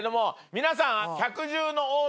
皆さん。